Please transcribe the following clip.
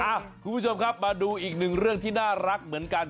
คุณผู้ชมครับมาดูอีกหนึ่งเรื่องที่น่ารักเหมือนกัน